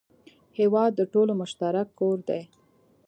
هېواد د ټولو مشترک کور دی.